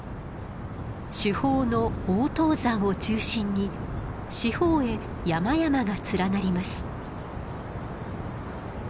主峰の大塔山を中心に四方へ山々が連なります。